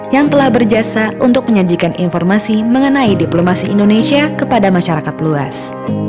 yang telah berjasa untuk menyajikan informasi mengenai diplomasi indonesia kepada masyarakat luas